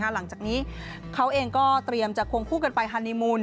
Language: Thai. หลังจากนี้เขาเองก็เตรียมจะควงคู่กันไปฮานีมูล